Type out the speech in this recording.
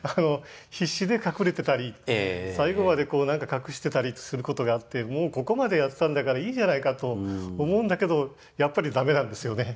必死で隠れてたり最後までこう何か隠してたりすることがあってもうここまでやったんだからいいじゃないかと思うんだけどやっぱりだめなんですよね。